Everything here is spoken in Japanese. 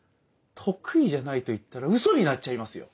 得意じゃないと言ったらウソになっちゃいますよ！